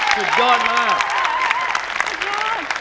สุดยอดมาก